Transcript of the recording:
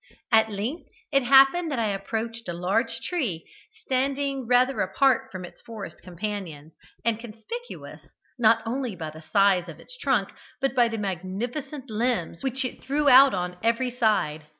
At length it happened that I approached a large tree, standing rather apart from its forest companions, and conspicuous not only by the size of its trunk, but by the magnificent limbs which it threw out on every side.